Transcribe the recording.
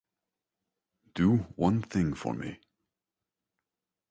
Do one thing for me.